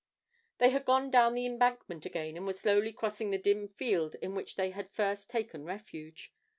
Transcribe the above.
They had gone down the embankment again and were slowly crossing the dim field in which they had first taken refuge.